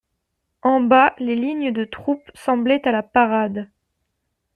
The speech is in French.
En bas, les lignes de troupes semblaient à la parade.